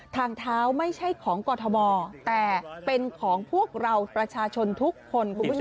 ทางเท้าไม่ใช่ของกรทมแต่เป็นของพวกเราประชาชนทุกคนคุณผู้ชม